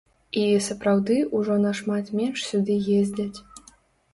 І, сапраўды, ужо нашмат менш сюды ездзяць.